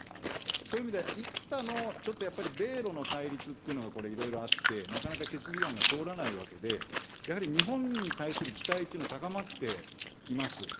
そういう意味では、幾多のちょっとやっぱり米ロの対立っていうのが、これ、いろいろあって、なかなか決議案が通らないわけで、やはり日本に対する期待というのは高まっています。